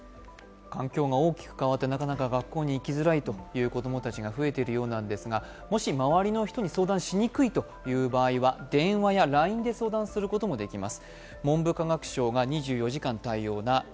環境が大きく変わってなかなか学校に行きづらいという子供たちが増えているようなんですがもし周りの人に相談しにくい場合は電話やＬＩＮＥで相談することもできます。